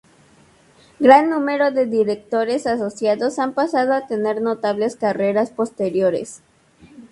Gran número de Directores Asociados han pasado a tener notables carreras posteriores.